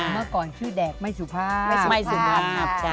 เมื่อก่อนชื่อแดกไม่สุภาพไม่สุภาพไม่สุภาพครับ